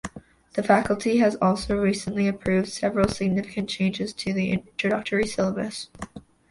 The faculty has also recently approved several significant changes to the introductory syllabus.